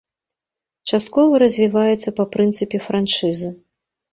Часткова развіваецца па прынцыпе франшызы.